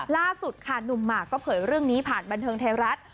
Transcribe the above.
ล่าสุดค่ะหนุ่มหมากก็เผยเรื่องนี้ผ่านบันเทิงไทยรัฐ